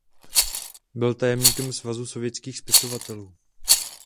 Byl tajemníkem Svazu sovětských spisovatelů.